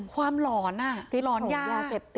ความหลอนหลอนยา